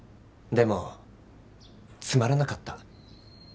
でもつまらなかった。